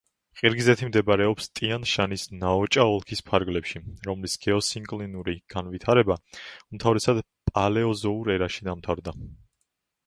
ყირგიზეთი მდებარეობს ტიან-შანის ნაოჭა ოლქის ფარგლებში, რომლის გეოსინკლინური განვითარება უმთავრესად პალეოზოურ ერაში დამთავრდა.